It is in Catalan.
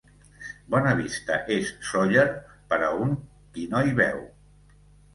Bona vista és Sóller, per a un qui no hi veu.